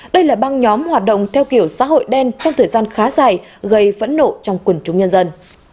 đây là băng nhóm hoạt động theo kiểu xã hội đen trong thời gian khá dài gây phẫn nộ trong quần chúng nhân dân